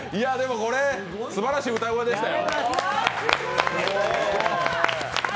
これ、すばらしい歌声でしたよ。